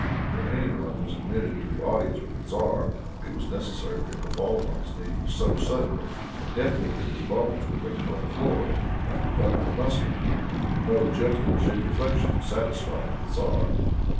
When any one was admitted to an audience with the tzar, it was necessary for him to fall upon his knees so suddenly and heavily that his bones would ring upon the floor like the butt of a musket. No gentle genuflexion satisfied the tzar.